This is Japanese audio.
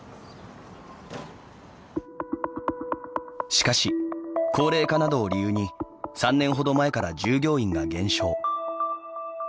しかし、高齢化などを理由に３年ほど前から従業員が減少。